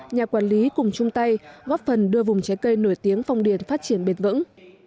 nhà quản lý cùng chung tay góp phần đưa vùng trái cây nổi tiếng phong điền phát triển bền vững